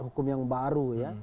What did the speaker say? hukum yang baru